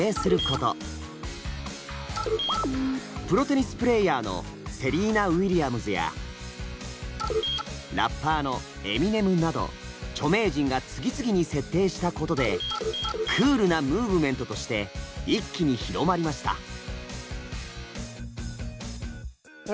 プロテニスプレーヤーのセリーナ・ウィリアムズやラッパーのエミネムなど著名人が次々に設定したことでクールなムーブメントとして一気に広まりました。